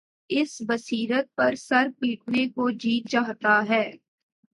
اس بصیرت پر سر پیٹنے کو جی چاہتا ہے۔